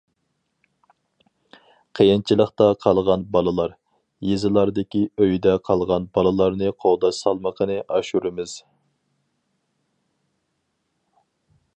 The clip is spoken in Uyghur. قىيىنچىلىقتا قالغان بالىلار، يېزىلاردىكى ئۆيىدە قالغان بالىلارنى قوغداش سالمىقىنى ئاشۇرىمىز.